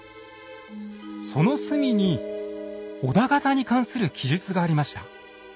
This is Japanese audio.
その隅に織田方に関する記述がありました。